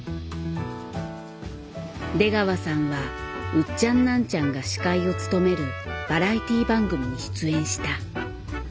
出川さんはウッチャンナンチャンが司会を務めるバラエティー番組に出演した。